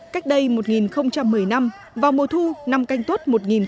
cách đây một một mươi năm vào mùa thu năm canh tuốt một một mươi